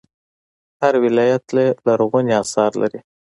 هر ولایت یې لرغوني اثار لري